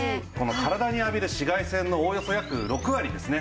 体に浴びる紫外線のおおよそ約６割ですね